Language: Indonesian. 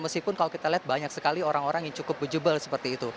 meskipun kalau kita lihat banyak sekali orang orang yang cukup bujuble seperti itu